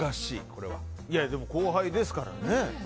でも後輩ですからね。